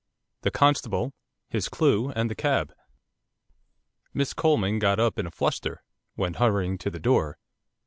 THE CONSTABLE, HIS CLUE, AND THE CAB Miss Coleman, getting up in a fluster, went hurrying to the door.